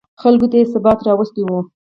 خلکو ته یې ثبات راوستی و.